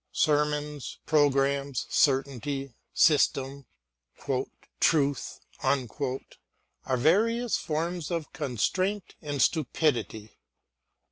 Sermons, programmes, certainty, system, "truth" are various forms of constraint and stupidity.